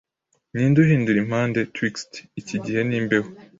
Ninde uhindura impande 'twixt icyiigihe nimbeho